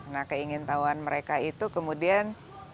nah keingin tahuan mereka itu kemudian